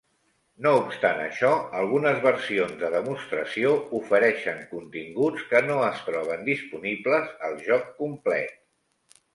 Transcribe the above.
No obstant això, algunes versions de demostració ofereixen continguts que no es troben disponibles al joc complet.